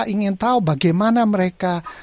ingin tahu bagaimana mereka